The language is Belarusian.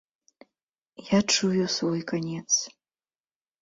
Я чую свой канец.